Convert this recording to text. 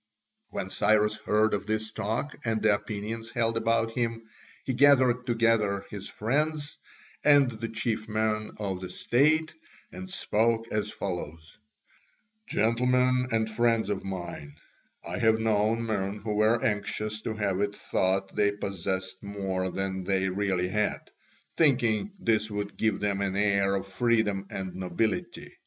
When Cyrus heard of this talk and the opinions held about him, he gathered together his friends and the chief men of the state and spoke as follows: "Gentlemen and friends of mine, I have known men who were anxious to have it thought they possessed more than they really had, thinking this would give them an air of freedom and nobility.